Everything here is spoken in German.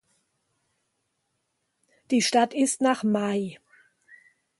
Die Stadt ist nach Maj.